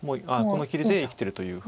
この切りで生きてるという。